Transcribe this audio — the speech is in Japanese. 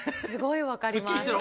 すごい分かります。